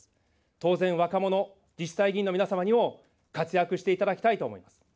当然、若者、自治体議員の皆様にも活躍していただきたいと思います。